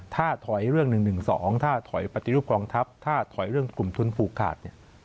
ถ้าถอยเรื่อง๑๑๒ถ้าถอยปฏิรูปกองทัพถ้าถอยเรื่องกลุ่มทุนผูกขาดเนี่ย